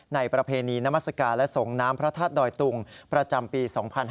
ประเพณีนามัศกาลและส่งน้ำพระธาตุดอยตุงประจำปี๒๕๕๙